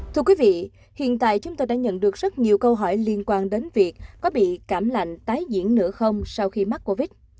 thưa quý vị hiện tại chúng tôi đã nhận được rất nhiều câu hỏi liên quan đến việc có bị cảm lạnh tái diễn nữa không sau khi mắc covid